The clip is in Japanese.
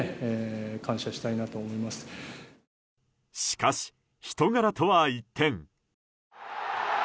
しかし、人柄とは一転。